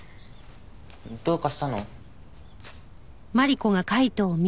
どうかしたの？